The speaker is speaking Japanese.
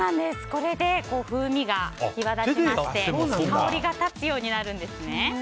これで風味が際立って香りが立つようになるんです。